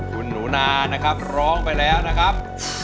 คุณหนูนานะครับร้องไปแล้วนะครับ